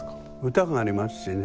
歌がありますしね。